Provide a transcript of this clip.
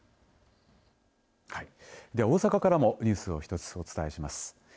はい、では大阪からもニュースを１つお伝えします。